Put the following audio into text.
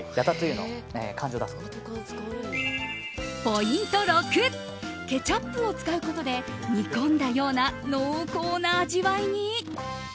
ポイント６ケチャップを使うことで煮込んだような濃厚な味わいに。